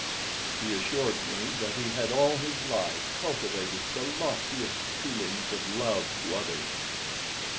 He assured me that he had all his life cultivated the loftiest feelings of love to others.